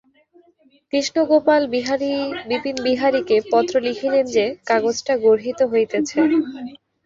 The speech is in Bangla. কৃষ্ণগোপাল বিপিনবিহারীকে পত্র লিখিলেন যে, কাজটা গর্হিত হইতেছে।